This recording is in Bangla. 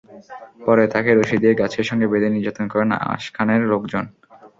পরে তাঁকে রশি দিয়ে গাছের সঙ্গে বেঁধে নির্যাতন করেন আশকানের লোকজন।